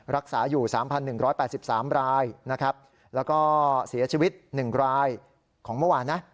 รักษาอยู่๓๑๘๓รายนะครับแล้วก็เสียชีวิต๑รายของเมื่อวานนะ